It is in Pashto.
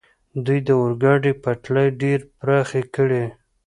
دوی د اورګاډي پټلۍ ډېرې پراخې کړې.